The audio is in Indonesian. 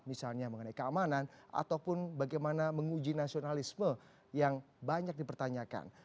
misalnya mengenai keamanan ataupun bagaimana menguji nasionalisme yang banyak dipertanyakan